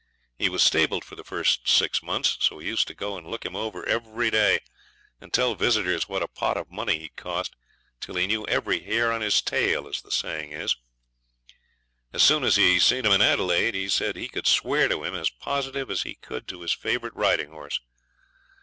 He was stabled for the first six months, so he used to go and look him over every day, and tell visitors what a pot of money he'd cost, till he knew every hair in his tail, as the saying is. As soon as he seen him in Adelaide he said he could swear to him as positive as he could to his favourite riding horse.